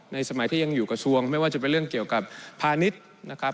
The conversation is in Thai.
สมัยที่ยังอยู่กระทรวงไม่ว่าจะเป็นเรื่องเกี่ยวกับพาณิชย์นะครับ